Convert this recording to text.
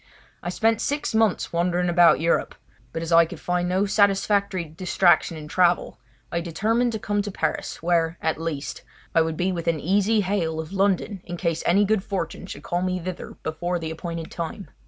I spent six months wandering about Europe, but as I could find no satisfactory distraction in travel, I determined to come to Paris, where, at least, I would be within easy hail of London in case any good fortune should call me thither before the appointed time.